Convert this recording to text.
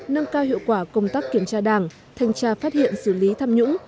nâng cao hiệu quả công tác kiểm tra đảng thanh tra phát hiện xử lý tham nhũng